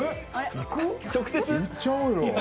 行っちゃおうよ。